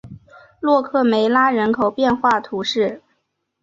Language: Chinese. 洛克梅拉人口变化图示